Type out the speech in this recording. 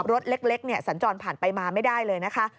รถเล็กสัญจรผ่านไปมาไม่ได้เลยนะคะ